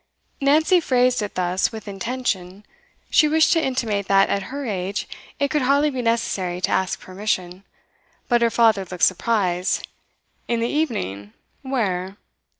Nancy phrased it thus with intention. She wished to intimate that, at her age, it could hardly be necessary to ask permission. But her father looked surprised. 'In the evening? Where?